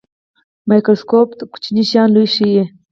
مایکروسکوپ کوچني شیان لوی ښيي